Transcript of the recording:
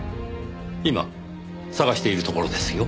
今探しているところですよ。